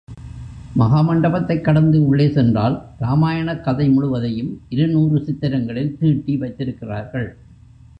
மகா மண்டபத்தைக் கடந்து உள்ளே சென்றால் ராமாயணக் கதை முழுவதையும் இருநூறு சித்திரங்களில் தீட்டி வைத்திருக்கிறார்கள்.